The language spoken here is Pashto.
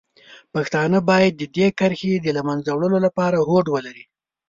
پښتانه باید د دې کرښې د له منځه وړلو لپاره هوډ ولري.